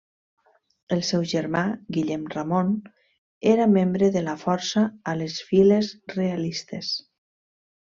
El seu germà, Guillem Ramon, era membre de la Força a les files realistes.